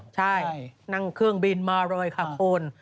ใช่นั่งเครื่องบินมารอยขาโคน